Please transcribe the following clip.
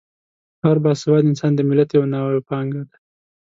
هر با سواده انسان د ملت یوه نوې پانګه ده.